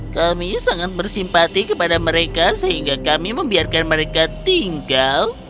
kami sangat bersimpati kepada mereka sehingga kami membiarkan mereka tinggal